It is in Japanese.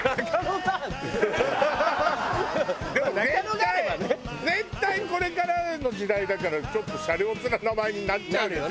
でも絶対絶対これからの時代だからちょっとシャレオツな名前になっちゃうでしょ。